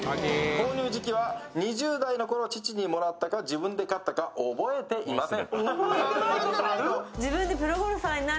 購入時期は２０代のころ、父に買ってもらったか自分で買ったか覚えておりません。